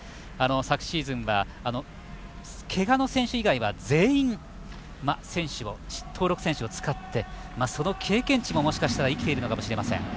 昨シーズンは、けがの選手以外は全員、登録選手を使ってその経験値も生きているのかもしれません。